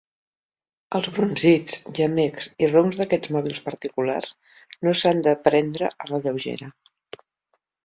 Els brunzits, gemecs i roncs d'aquests mòbils particulars no s'han de prendre a la lleugera.